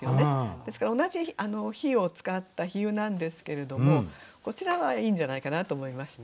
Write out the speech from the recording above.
ですから同じ火を使った比喩なんですけれどもこちらはいいんじゃないかなと思いました。